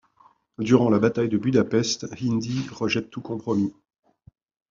Durant la bataille de Budapest, Hindy rejette tout compromis.